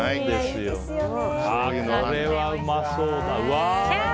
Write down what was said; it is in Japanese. これはうまそうだ。